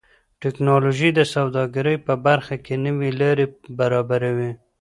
ټکنالوژي د سوداګرۍ په برخه کې نوې لارې برابروي.